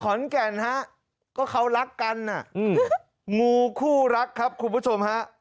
ขอนแก่นฮะก็เขารักกันงูคู่รักครับคุณผู้ชมฮะ